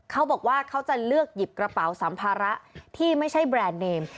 เขาบอกว่าเขาจะเลือกหยิบกระเป๋าสัมภาระที่ไม่ใช่แบรนด์เนม